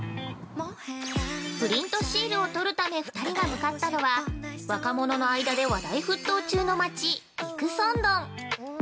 ◆プリントシールを撮るため２人が向かったのは、若者の間で話題沸騰中の町、益善洞。